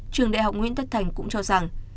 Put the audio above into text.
trường đại học nguyễn tất thành cũng cho rằng